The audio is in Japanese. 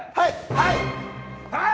はい！